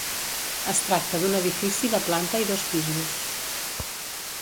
Es tracta d'un edifici de planta i dos pisos.